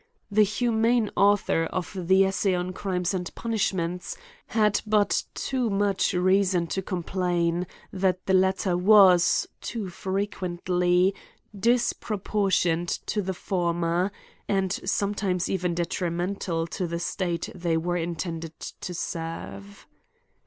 The humane author of the " Essay on Crimes and Punishments ^' had but too much reason to com plain, that the latter was, too frequently^ dispro portioned to the former, and sometimes even de trimental to the state they were intended to serve.